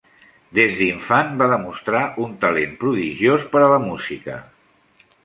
Des d'infant va demostrar un talent prodigiós per a la música.